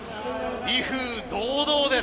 威風堂々です。